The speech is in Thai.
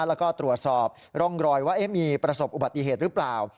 แล้วก็ตรวจสอบร่องรอยว่ามีประสบอุบัติเหตุหรือเปล่า